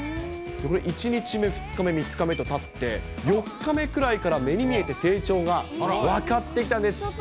これ、１日目、２日目、３日目とたって、４日目くらいから目に見えて成長が分かってきたんです。